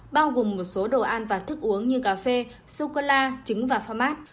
bao gồm một số đồ ăn và thức uống như cà phê sô cơ la trứng và pha mát